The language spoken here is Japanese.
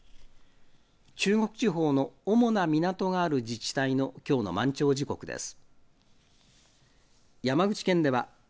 中国地方の主な港がある自治体のきょうの満潮時刻です。